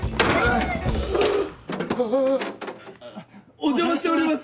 お邪魔してます！